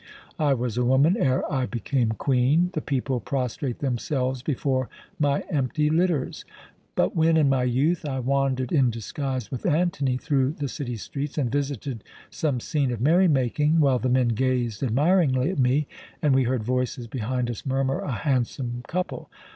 I was a woman ere I became Queen. The people prostrate themselves before my empty litters; but when, in my youth, I wandered in disguise with Antony through the city streets and visited some scene of merrymaking, while the men gazed admiringly at me, and we heard voices behind us murmur, 'A handsome couple!'